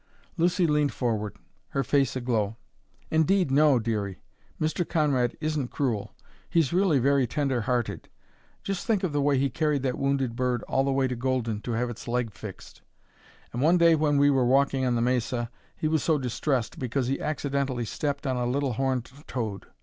Lucy leaned forward, her face aglow. "Indeed, no, Dearie! Mr. Conrad isn't cruel; he's really very tender hearted just think of the way he carried that wounded bird all the way to Golden to have its leg fixed. And one day when we were walking on the mesa, he was so distressed because he accidentally stepped on a little horned toad.